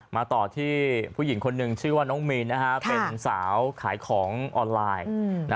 มาต่อที่ผู้หญิงคนหนึ่งชื่อว่าน้องมีนเป็นสาวขายของออนไลน์